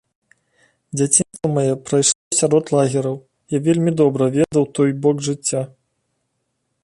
Дзяцінства маё прайшло сярод лагераў, я вельмі добра ведаў той бок жыцця.